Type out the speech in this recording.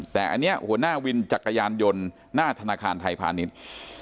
แต่อันนี้หัวหน้าวินจักรยานยนต์หน้าธนาคารไทยพาณิชย์